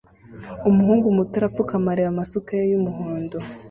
Umuhungu muto arapfukama areba amasuka ye yumuhondo